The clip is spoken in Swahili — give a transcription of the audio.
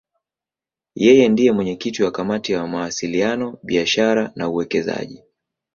Yeye ndiye mwenyekiti wa Kamati ya Mawasiliano, Biashara na Uwekezaji.